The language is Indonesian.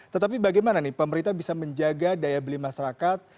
tetapi bagaimana nih pemerintah bisa menjaga daya beli masyarakat